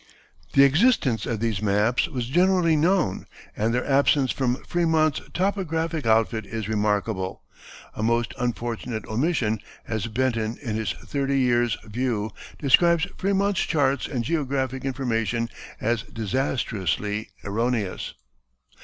The existence of these maps was generally known, and their absence from Frémont's topographic outfit is remarkable; a most unfortunate omission, as Benton in his "Thirty Years' View" describes Frémont's charts and geographic information as "disastrously erroneous."